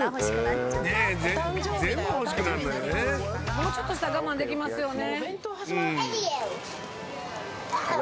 もうちょっとしたら我慢できますよね。